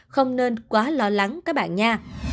không nên quá lo lắng các bạn nha